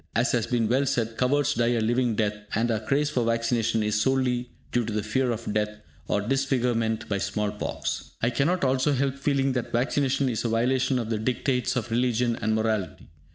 As has been well said, cowards die a living death, and our craze for vaccination is solely due to the fear of death or disfigurement by small pox. I cannot also help feeling that vaccination is a violation of the dictates of religion and morality.